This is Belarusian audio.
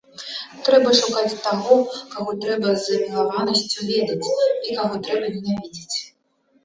Трэба шукаць таго, каго трэба з замілаванасцю ведаць і каго трэба ненавідзець.